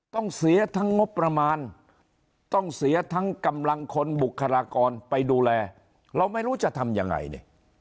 ต้องเสียทั้งงบประมาณต้องเสียทั้งกำลังคนบุคลากรไปดูแลเราไม่รู้จะทำยังไงเนี่ย